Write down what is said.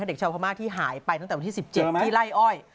เด็กชาวพม่าที่หายไปตั้งแต่วันที่๑๗ที่ไล่อ้อย